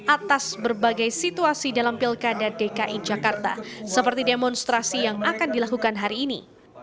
atas berbagai situasi dalam pilkada dki jakarta seperti demonstrasi yang akan dilakukan hari ini